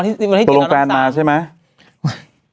ตกลงแฟนมาใช่ไหม